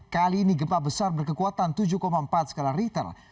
kali ini gempa besar berkekuatan tujuh empat skala richter